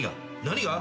何が？